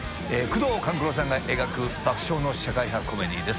榮官九郎さんが描く爆笑の社会派コメディーです。